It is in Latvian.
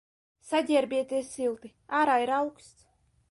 Saģērbieties silti, ārā ir auksts.